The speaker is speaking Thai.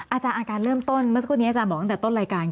อาจารย์อาการเริ่มต้นเมื่อสักครู่นี้อาจารย์บอกตั้งแต่ต้นรายการ